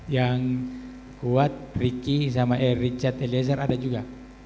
yang kuat ricky richard eliezer ada juga